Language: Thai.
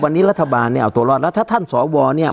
วันนี้รัฐบาลเนี่ยเอาตัวรอดแล้วถ้าท่านสวเนี่ย